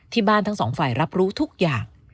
ที่บ้านทั้งสองฝ่ายรับรู้ทุกอย่าง